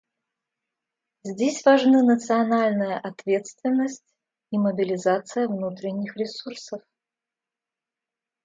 Здесь важны национальная ответственность и мобилизация внутренних ресурсов.